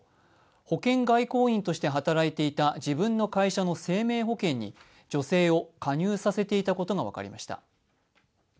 保険外交員として働いていた自分の会社の生命保険に女性を加入させていたことが分かりました。